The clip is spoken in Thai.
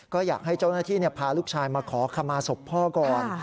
ก็อยากให้เจ้าหน้าที่พาลูกชายมาขอขมาศพพ่อก่อน